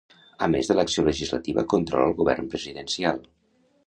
A més de l'acció legislativa controla el govern presidencial.